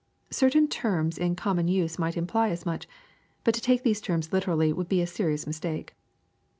Certain terms in common use might imply as much ; but to take these terms literally would be a serious mistake.